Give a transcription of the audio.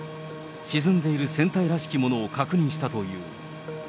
沈んでいる船体らしきものを確認したという。